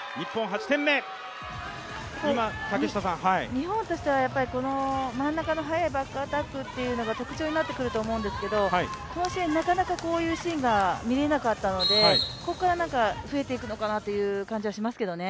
日本としては真ん中の速いバックアタックというのが特徴になってくると思うんですけどなかなかこういうシーンが見れなかったので、ここから増えていくのかなという感じはしますけどね。